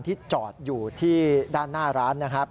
ที่จอดอยู่ที่ด้านหน้าร้านนะครับ